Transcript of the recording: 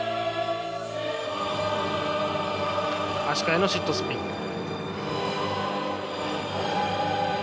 足換えのシットスピン。